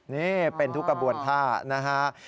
นี่เป็นทุกกระบวนท่านะฮะ